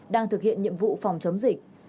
đang thực hiện nhiệm vụ phòng chống dịch